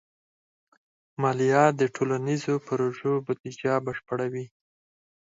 مالیه د ټولنیزو پروژو بودیجه بشپړوي.